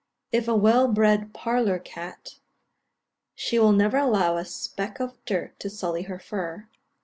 If a well bred parlour cat, she will never allow a speck of dirt to sully her fur.